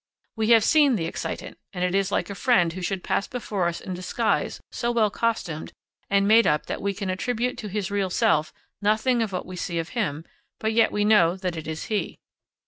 We have seen the excitant, and it is like a friend who should pass before us in disguise so well costumed and made up that we can attribute to his real self nothing of what we see of him, but yet we know that it is he.